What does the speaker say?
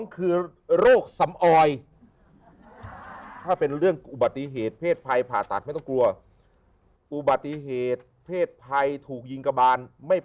คือโรคสำออยถ้าเป็นเรื่องอุบัติเหตุเพศภัยผ่าตัดไม่ต้องกลัวอุบัติเหตุเพศภัยถูกยิงกระบานไม่